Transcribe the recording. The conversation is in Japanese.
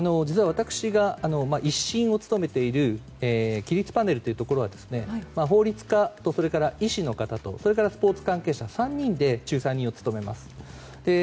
実は私が１審を務めている規律パネルというところは法律家それから医師の方とスポーツ関係者３人の方で仲裁人を務めます。